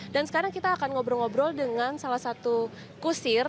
dan sekarang kita akan ngobrol ngobrol dengan salah satu kusir